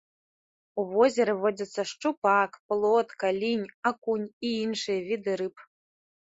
У возеры водзяцца шчупак, плотка, лінь, акунь і іншыя віды рыб.